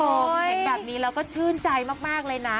เห็นแบบนี้แล้วก็ชื่นใจมากเลยนะ